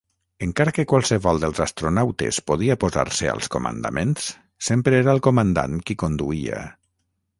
Encara que qualsevol dels astronautes podia posar-se als comandaments, sempre era el Comandant qui conduïa.